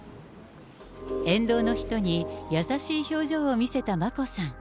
沿道の人に優しい表情を見せた眞子さん。